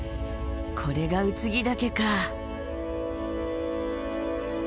これが空木岳か。